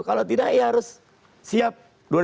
kalau tidak ya harus siap